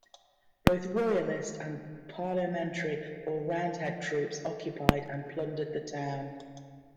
Both Royalist and Parliamentary or Roundhead troops occupied and plundered the town.